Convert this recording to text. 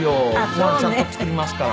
ご飯ちゃんと作りますから。